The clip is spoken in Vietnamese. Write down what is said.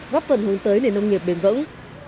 góp phần hướng tới nền nông nghiệp bền vững